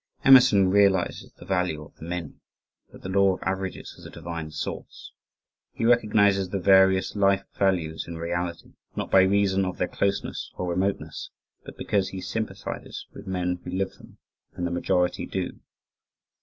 Emerson realizes the value of "the many," that the law of averages has a divine source. He recognizes the various life values in reality not by reason of their closeness or remoteness, but because he sympathizes with men who live them, and the majority do.